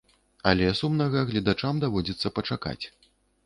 Але сумнага гледачам даводзіцца пачакаць.